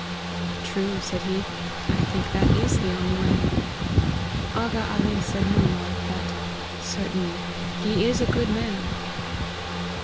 True,' said he, 1 think that is the only way.' Aga Ali said no more but * Certainly he is a good man